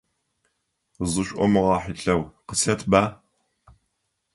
Зышӏомыгъэхьылъэу, къысэтба.